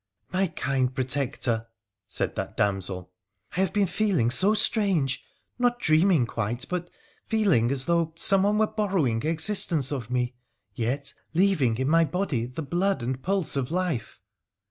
' My kind protector,' said that damsel, ' I have been feeling so strange — not dreaming quite, but feeling as though some one were borrowing existence of me, yet leaving in my body the blood and pulse of life.